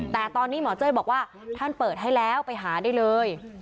แต่ตอนนี้หมอเจ้ยบอกว่าท่านเปิดให้แล้วไปหาได้เลย